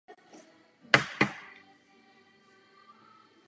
Historik Otto Urban označuje toto prohlášení za ve své době ojedinělé.